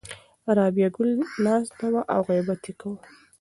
رابعه ګل ناسته وه او غیبت یې کاوه.